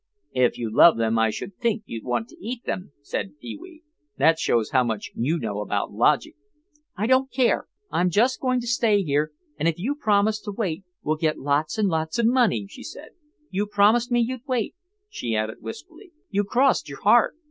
"If you love them I should think you'd want to eat them," said Pee wee. "That shows how much you know about logic." "I don't care, I'm just going to stay here and if you promise to wait we'll get lots and lots of money," she said. "You promised me you'd wait," she added wistfully, "you crossed your heart.